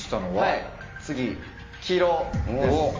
はい次黄色です。